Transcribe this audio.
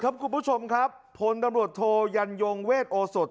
คุณผู้ชมครับพลตำรวจโทยันยงเวทโอสด